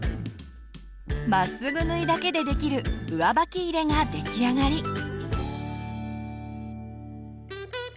まっすぐ縫いだけでできる上履き入れが出来上がり。